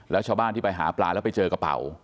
แล้วชาวบ้านที่ไปหาปลาแล้วไปเจอกระเป๋า